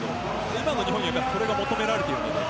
今の日本にはそれが求められています。